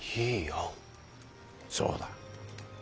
そうだ。